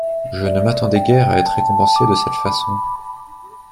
Je ne m'attendais guère à être récompensé de cette façon.